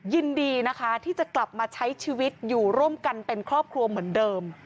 ยินดีนะคะที่จะกลับมาใช้ชีวิตอยู่ร่วมกันเป็นครอบครัวเหมือนเดิม